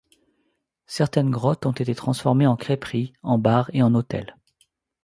Certaines grottes ont été transformées en crêperie, en bar et en hôtel.